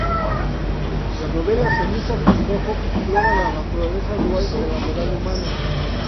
La novela "Cenizas y rojo" explora la naturaleza dual de la moral humana.